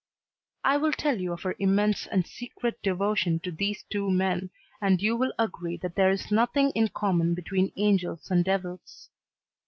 I will tell you of her immense and secret devotion to these two men, and you will agree that there is nothing in common between angels and devils.